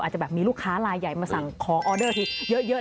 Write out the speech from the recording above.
อาจจะแบบมีลูกค้าลายใหญ่มาสั่งของออเดอร์ทีเยอะ